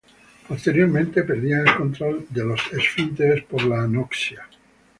Posteriormente perdían el control de los esfínteres por la anoxia.